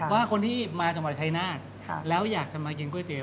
ว่าคนที่มาจังหวัดชายนาฏแล้วอยากจะมากินก๋วยเตี๋